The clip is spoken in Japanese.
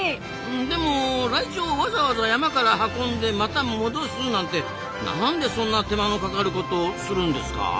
でもライチョウをわざわざ山から運んでまた戻すなんてなんでそんな手間のかかることをするんですか？